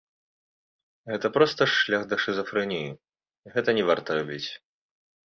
Гэта проста шлях да шызафрэніі, гэта не варта рабіць.